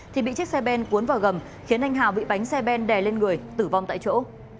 thì bị chiếc xe ben cuốn vào gầm khiến anh hào bị bánh xe ben đè lên người tử vong tại chỗ